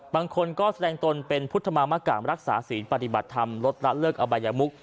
บางคนก็แสดงตนเป็นพุทธมามกามรักษาศีลปฏิบัติธรรมลดละเลิกอบัยมุก